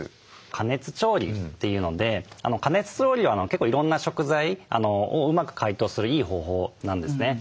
加熱調理というので加熱調理は結構いろんな食材をうまく解凍するいい方法なんですね。